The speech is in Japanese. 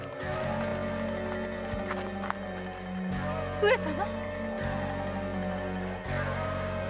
上様？